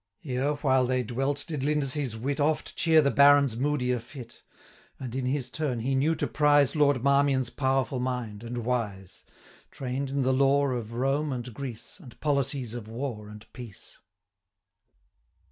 Here while they dwelt, did Lindesay's wit 265 Oft cheer the Baron's moodier fit; And, in his turn, he knew to prize Lord Marmion's powerful mind, and wise, Train'd in the lore of Rome and Greece, And policies of war and peace.